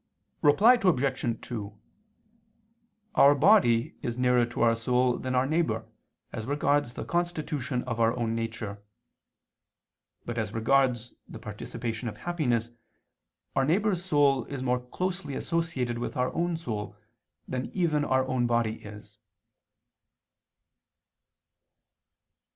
Reply Obj. 2: Our body is nearer to our soul than our neighbor, as regards the constitution of our own nature: but as regards the participation of happiness, our neighbor's soul is more closely associated with our own soul, than even our own body is.